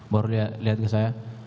baru lihat ke saya